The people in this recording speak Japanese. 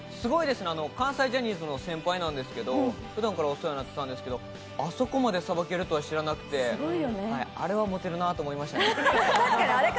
関西ジャニーズの先輩なんですけど、普段からお世話になってたんですけど、あそこまで捌けるとは知らなくて、あれはモテるなぁと思いましたね。